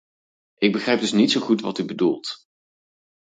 Ik begrijp dus niet zo goed wat u bedoelt.